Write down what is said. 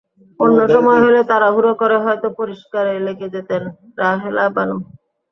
অন্য সময় হলে তাড়াহুড়ো করে হয়তো পরিষ্কারে লেগে যেতেন রাহেলা বানু।